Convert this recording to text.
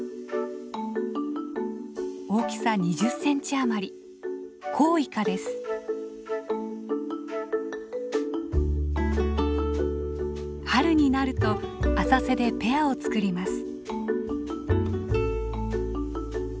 大きさ２０センチあまり春になると浅瀬でペアを作ります。